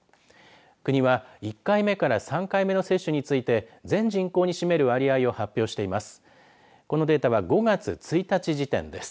国は１回目から３回目の接種について全人口に占める割合を発表しています。